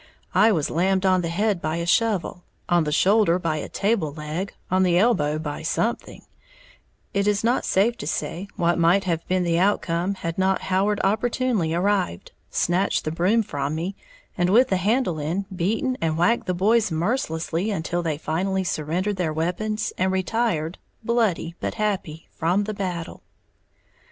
I was lammed on the head by a shovel, on the shoulder by a table leg, on the elbow by something, it is not safe to say what might have been the outcome had not Howard opportunely arrived, snatched the broom from me, and, with the handle end, beaten and whacked the boys mercilessly until they finally surrendered their weapons and retired, bloody but happy, from the "battle."